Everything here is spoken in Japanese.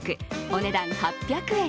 お値段８００円。